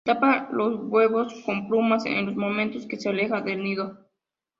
Él tapa los huevos con plumas en los momentos que se aleja del nido.